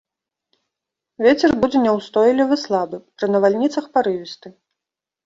Вецер будзе няўстойлівы слабы, пры навальніцах парывісты.